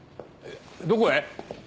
どこへ？